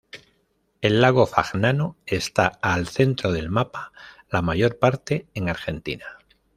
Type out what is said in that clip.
El lago Fagnano está al centro del mapa, la mayor parte en Argentina.